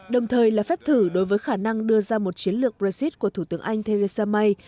đồng thời là phép thử đối với khả năng đưa ra một chiến lược brexit của thủ tướng anh theresa may